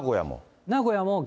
名古屋も？